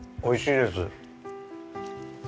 おいしいです。